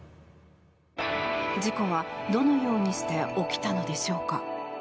事故はどのようにして起きたのでしょうか。